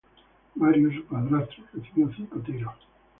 Mario, su padrastro, recibió cinco tiros.